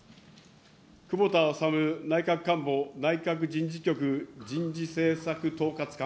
窪田修内閣官房内閣人事局人事政策統括官。